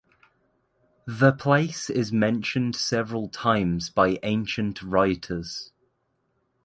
The place is mentioned several times by ancient writers.